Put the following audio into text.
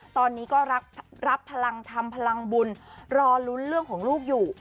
ตอนนี้ก็รับพลังทำพลังบุญรอลุ้นเรื่องของลูกอยู่